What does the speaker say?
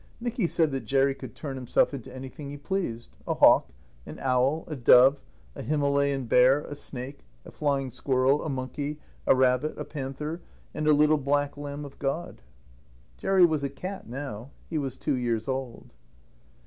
Nicky said that Jerry could turn himself into anything he pleased; a hawk, an owl, a dove, a Himalayan bear, a snake, a flying squirrel, a monkey, a rabbit, a panther, and a little black lamb of God. Jerry was a cat now; he was two years old.